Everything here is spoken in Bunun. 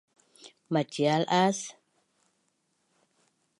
macail as?